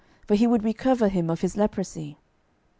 for he would recover him of his leprosy.